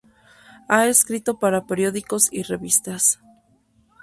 Ha escrito para periódicos y revistas.